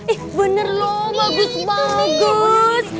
ih bener loh bagus bagus